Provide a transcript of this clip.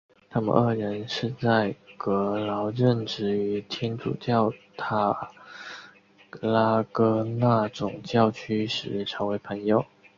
他们二人是在格劳任职于天主教塔拉戈纳总教区时成为朋友。